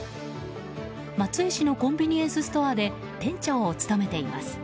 松江市のコンビニエンスストアで店長を務めています。